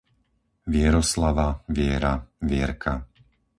Vieroslava, Viera, Vierka